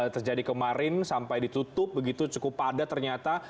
terjadi kemarin sampai ditutup begitu cukup padat ternyata